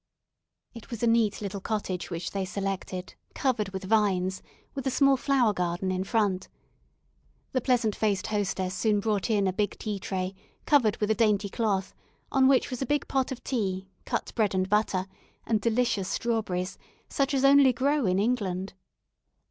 It was a neat little cottage which they selected, covered with vines, with a small flower garden in front. The pleasant faced hostess soon brought in a big tea tray covered with a dainty cloth on which was a big pot of tea, cut bread and butter, and delicious strawberries, such as only grow in England.